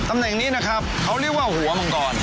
ตำแหน่งนี้นะครับเขาเรียกว่าหัวมังกร